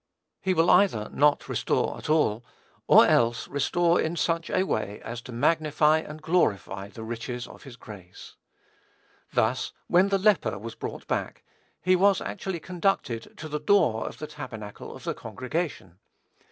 He will either not restore at all, or else restore in such a way as to magnify and glorify the riches of his grace. Thus, when the leper was brought back, he was actually conducted "to the door of the tabernacle of the congregation."